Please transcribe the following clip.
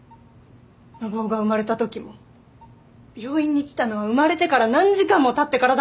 信男が生まれたときも病院に来たのは生まれてから何時間もたってからだったよね。